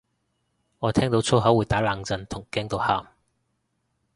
我聽到粗口會打冷震同驚到喊